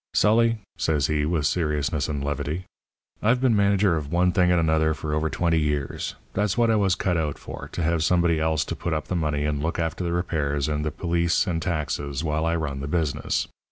"'Sully,' says he, with seriousness and levity, 'I've been a manager of one thing and another for over twenty years. That's what I was cut out for to have somebody else to put up the money and look after the repairs and the police and taxes while I run the business.